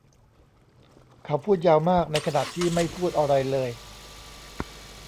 เขาพูดยาวมากในขณะที่ไม่พูดอะไรเลย